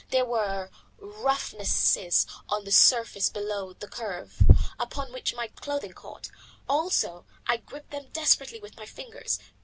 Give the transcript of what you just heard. There were roughnesses on the surface below the curve, upon which my clothing caught, also I gripped them desperately with my fingers.